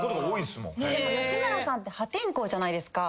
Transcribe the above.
でも吉村さんって破天荒じゃないですか。